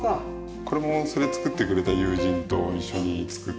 これもそれ作ってくれた友人と一緒に作って。